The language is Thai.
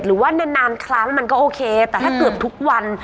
หรือว่านานครั้งมันก็โอเคแต่ถ้าเกือบทุกวัน